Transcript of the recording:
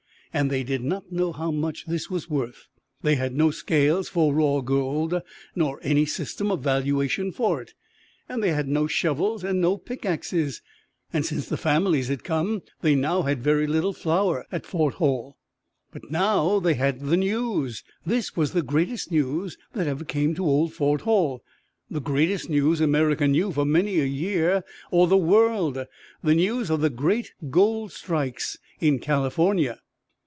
And they did not know how much this was worth. They had no scales for raw gold, nor any system of valuation for it. And they had no shovels and no pickaxes; and since the families had come they now had very little flour at Fort Hall. But now they had the news! This was the greatest news that ever came to old Fort Hall the greatest news America knew for many a year, or the world the news of the great gold strikes in California.